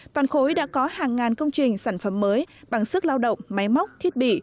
toàn khối đã có hàng ngàn công trình sản phẩm mới bằng sức lao động máy móc thiết bị